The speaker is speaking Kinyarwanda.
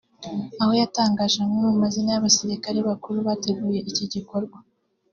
aho yatangaje amwe mu mazina y’abasirikare bakuru bateguye iki gikorwa